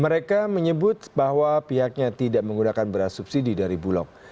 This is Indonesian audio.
mereka menyebut bahwa pihaknya tidak menggunakan beras subsidi dari bulog